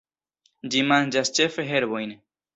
Ĝi manĝas ĉefe herbojn.